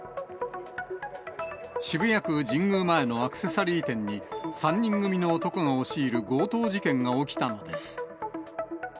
渋谷区神宮前のアクセサリー店に３人組の男が押し入る強盗事件が起きたのです。